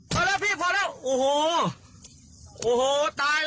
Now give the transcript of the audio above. พอแล้วพี่พอแล้วโอ้โหโอ้โหตายแล้ว